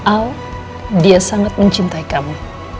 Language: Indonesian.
al dia sangat mencintai kamu